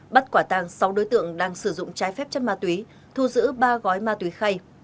bắt quả tàng sáu đối tượng đang sử dụng trái phép chất ma túy thu giữ ba gói ma túy khay